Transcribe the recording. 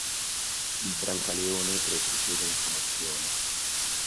Il Brancaleone retrocede in Promozione.